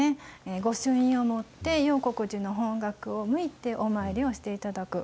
御朱印を持って、楊谷寺の方角を向いてお参りをしていただく。